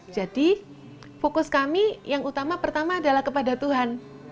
jadi fokus kami yang utama pertama adalah kepada tuhan